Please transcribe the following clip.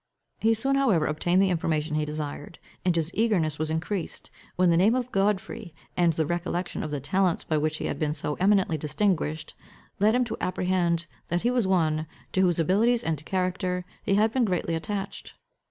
He soon however obtained the information he desired. And his eagerness was increased, when the name of Godfrey, and the recollection of the talents by which he had been so eminently distinguished, led him to apprehend that he was one, to whose abilities and character he had been greatly attached.